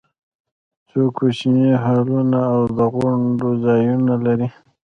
څو کوچني هالونه او د غونډو ځایونه لري.